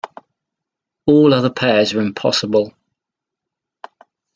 All other pairs are impossible.